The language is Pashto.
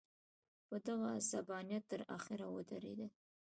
په دغه غصبانیت تر اخره ودرېدل.